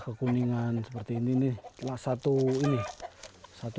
kekuningan seperti ini lah satu ini satu